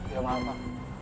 ya maaf pak